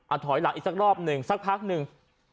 ถอยหลังอีกสักรอบหนึ่งสักพักหนึ่ง